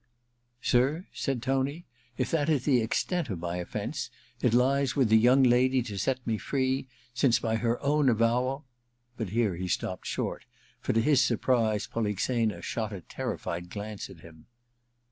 *Sir,* said Tony, *if that be the extent of my offence, it lies with the young lady to set me free, since by her own avowal ' but here he stopped short, for, to his surprise, Polixena shot a terrified glance at him.